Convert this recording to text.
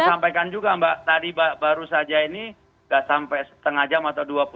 saya sampaikan juga mbak tadi baru saja ini tidak sampai setengah jam atau dua